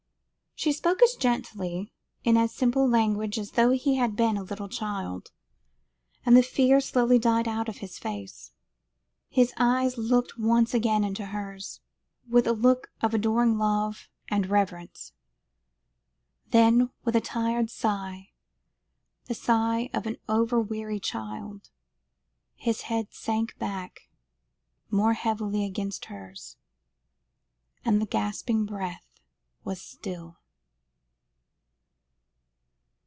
She spoke as gently, in as simple language as though he had been a little child, and the fear slowly died out of his face. His eyes looked once again into hers, with a look of adoring love and reverence; then, with a tired sigh, the sigh of an over weary child, his head sank back more heavily against her, and the gasping breath was still.